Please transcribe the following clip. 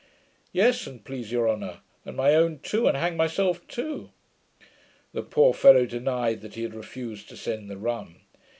'Yes, an't please your honour! and my own too, and hang myself too.' The poor fellow denied that he had refused to send the rum.